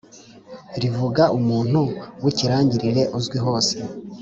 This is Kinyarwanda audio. rivuga umuntu w’ikirangirire, uzwi hose